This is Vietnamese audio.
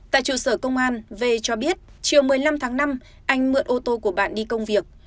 tại trụ sở công an v cho biết chiều một mươi năm tháng năm anh mượn ô tô của bạn đi công việc